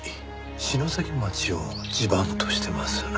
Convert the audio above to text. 篠崎町を地盤としてます。